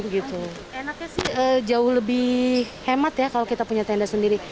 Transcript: enaknya sih jauh lebih hemat ya kalau kita punya tenda sendiri